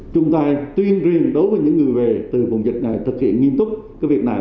chúng ta tuyên truyền đối với những người về từ vùng dịch này thực hiện nghiêm túc cái việc này